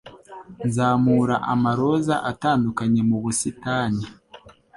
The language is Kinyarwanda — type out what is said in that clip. Nzamura amaroza atandukanye mu busitani.